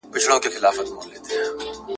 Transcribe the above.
په مفهوم یې هم ځکه نه پوهیږم !.